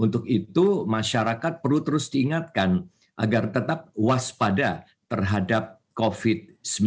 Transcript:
untuk itu masyarakat perlu terus diingatkan agar tetap waspada terhadap covid sembilan belas